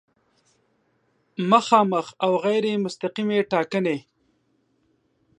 مخامخ او غیر مستقیمې ټاکنې